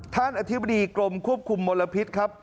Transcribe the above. อธิบดีกรมควบคุมมลพิษครับ